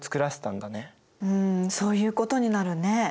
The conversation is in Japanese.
うんそういうことになるね。